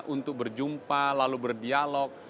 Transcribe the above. untuk berjumpa lalu berdialog